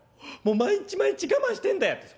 もう毎日毎日我慢してんだよ」。